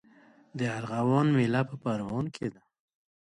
د ارغوان میله په پروان کې ده.